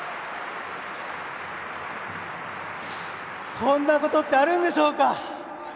こんなことってあるんでしょうか？